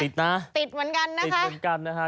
ติดนะติดเหมือนกันนะคะ